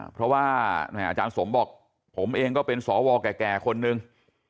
เพราะว่าอาจารย์สมบอกผมเองก็เป็นสวแก่คนนึง